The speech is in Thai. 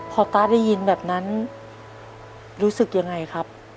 พอตาได้ยินแบบนั้นรู้สึกยังไงครับ